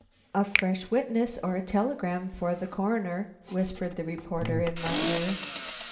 "A fresh witness or a telegram for the Coroner," whispered the reporter in my ear.